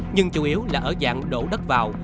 nhưng chủ yếu là ở dạng đổ đất vào